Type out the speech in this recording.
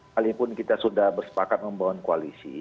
walaupun kita sudah bersepakat membangun koalisi